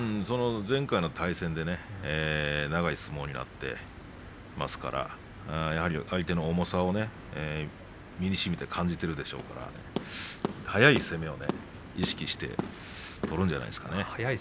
前回の対戦で長い相撲になって相手の重さを身にしみて感じているでしょうから速い攻めを意識して取るんじゃないですかね。